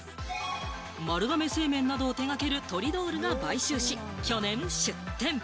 丸亀製麺などを手掛けるトリドールが買収し、去年出店。